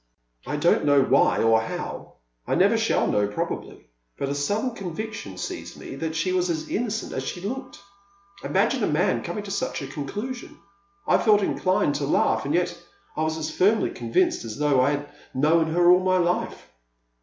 I don't know why or how, — I never shall know probably, but a sudden conviction seized me that she was as innocent as she looked. Imagine a man coming to such a conclusion ! I felt inclined to laugh, and yet I was as firmly convinced as though I had known her all my life.